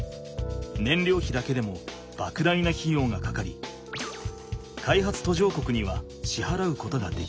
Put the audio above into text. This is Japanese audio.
ねんりょうひだけでもばく大なひようがかかり開発途上国にはしはらうことができない。